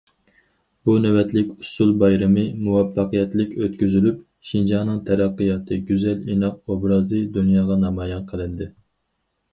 بۇ نۆۋەتلىك ئۇسسۇل بايرىمى مۇۋەپپەقىيەتلىك ئۆتكۈزۈلۈپ، شىنجاڭنىڭ تەرەققىياتى، گۈزەل، ئىناق ئوبرازى دۇنياغا نامايان قىلىندى.